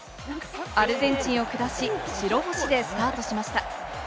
アルゼンチンを下し、白星でスタートしました。